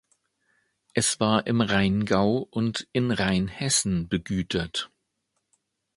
Es war im Rheingau und in Rheinhessen begütert.